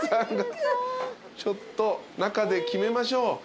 ちょっと中で決めましょう。